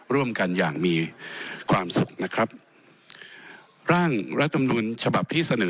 ร่วมกันอย่างมีความสุขนะครับร่างรัฐมนุนฉบับที่เสนอ